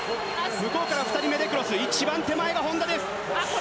向こうから２人目、一番手前が本多です。